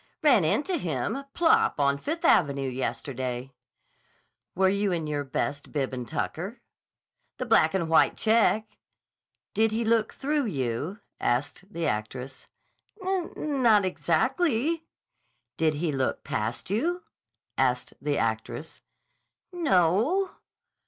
"Ran into him, plop, on Fifth Avenue yesterday." "Were you in your best bib and tucker?" "The black and white check." "Did he look through you?" asked the actress. "N not exactly." "Did he look past you?" asked the actress, "N o o o."